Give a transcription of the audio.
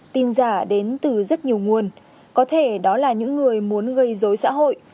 tin giả đến từ rất nhiều nguồn có thể đó là những người muốn gây dối xã hội